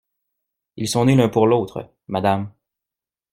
Ils sont nés l'un pour l'autre, Madame!